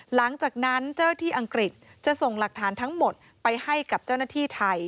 หลังจากนั้นเจ้าที่อังกฤษจะส่งหลักฐานทั้งหมดไปให้กับเจ้าหน้าที่ไทย